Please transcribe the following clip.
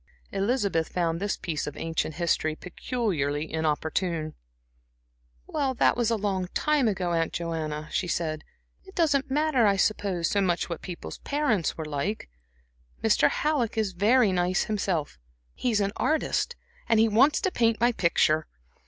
Elizabeth found this piece of ancient history peculiarly inopportune. "Well, that was a long time ago, Aunt Joanna," she said. "It doesn't matter, I suppose, so much what people's parents were like. Mr. Halleck is very nice himself. He is an artist, and he wants to paint my picture."